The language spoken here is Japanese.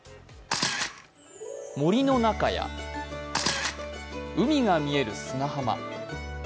森の中や、海が見える砂浜。